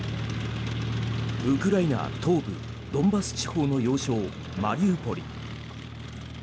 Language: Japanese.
ウクライナ東部ドンバス地方の要衝マリウポリ。